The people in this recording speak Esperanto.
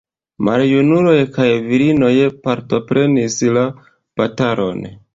Maljunuloj kaj virinoj partoprenis la batalon.